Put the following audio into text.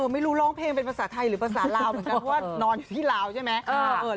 ไม่รู้ร้องเพลงเป็นภาษาไทยหรือภาษาลาวเหมือนกันเพราะว่านอนอยู่ที่ลาวใช่ไหม